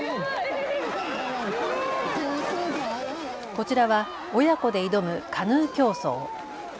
こちらは親子で挑むカヌー競争。